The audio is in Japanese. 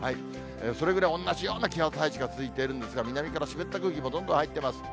それぐらいおんなじような気圧配置が続いているんですが、南から湿った空気もどんどん入ってます。